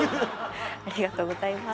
ありがとうございます。